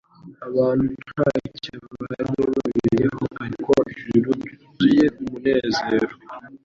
Abantu ntacyo bari babiziho, ariko ijuru ryuzuye umunezero.